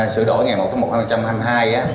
sửa đổi ngày một một trăm hai mươi hai